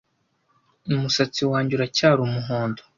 umusatsi wanjye uracyari umuhondo